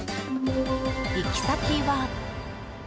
行き先は。